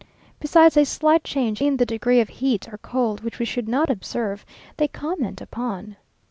Besides a slight change in the degree of heat or cold which we should not observe, they comment upon.